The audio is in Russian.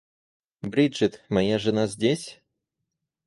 Бриджит, моя жена здесь?